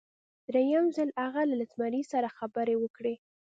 دریم ځل هغې له زمري سره خبرې وکړې.